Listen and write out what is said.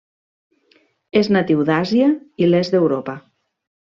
És natiu d'Àsia i l'est d'Europa.